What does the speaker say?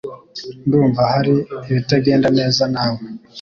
Ndumva hari ibitagenda neza nawe